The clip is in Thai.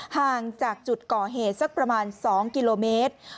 ห่างจากจุดก่อเหตุสักประมาณ๒กิโลเมตร